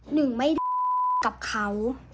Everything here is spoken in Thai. หนึ่งไม่กับเขา